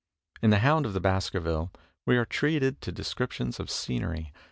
In "The Hound of the Baskervilles" we are treated to descriptions of scenery.